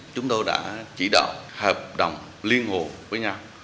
chúng tôi đã chỉ đạo hợp đồng liên hồ với nhau